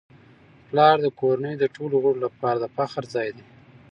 پلار د کورنی د ټولو غړو لپاره د فخر ځای دی.